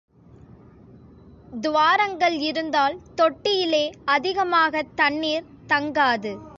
துவாரங்கள் இருந்தால் தொட்டியிலே அதிகமாகத் தண்ணிர் தங்காது.